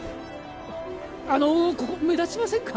あのここ目立ちませんか？